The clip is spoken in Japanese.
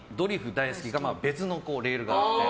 大好きが別のレールがあって。